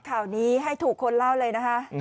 ข่าวนี้ให้ถูกคนเล่าเลยนะคะ